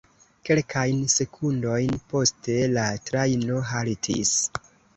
Kelkajn sekundojn poste la trajno haltis.